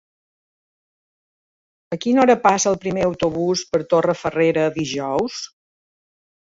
A quina hora passa el primer autobús per Torrefarrera dijous?